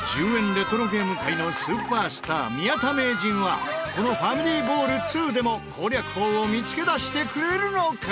レトロゲーム界のスーパースター宮田名人はこの『ファミリーボールⅡ』でも攻略法を見付け出してくれるのか？